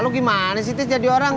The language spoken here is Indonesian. lo gimana sih tis jadi orang